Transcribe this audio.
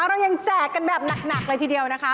เรายังแจกกันแบบหนักเลยทีเดียวนะคะ